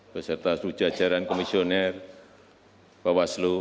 beserta seluruh jajaran komisioner bapak ibu